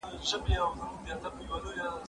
کېدای سي ليک اوږد وي؟!